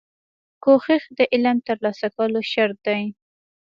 کوښښ د علم ترلاسه کولو شرط دی.